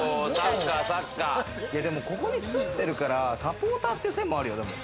ここに住んでるから、サポーターという線もあるよ。